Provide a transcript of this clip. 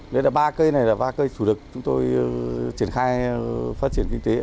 đấy là ba cây này là ba cây chủ lực chúng tôi triển khai phát triển kinh tế